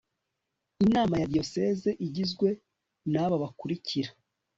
Inama ya Diyoseze igizwe n aba bakurikira